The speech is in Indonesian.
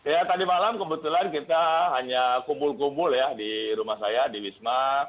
ya tadi malam kebetulan kita hanya kumpul kumpul ya di rumah saya di wisma